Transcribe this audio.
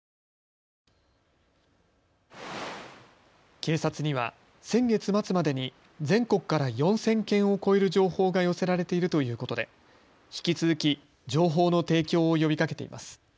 警察には先月末までに全国から４０００件を超える情報が寄せられているということで引き続き情報の提供を呼びかけています。